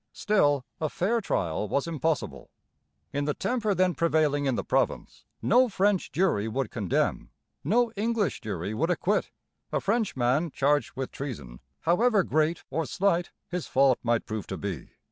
Still, a fair trial was impossible. In the temper then prevailing in the province no French jury would condemn, no English jury would acquit, a Frenchman charged with treason, however great or slight his fault might prove to be.